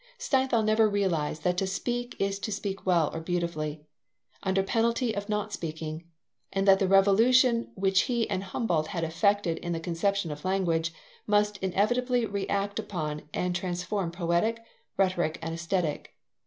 Steinthal never realized that to speak is to speak well or beautifully, under penalty of not speaking, and that the revolution which he and Humboldt had effected in the conception of language must inevitably react upon and transform Poetic, Rhetoric, and Aesthetic.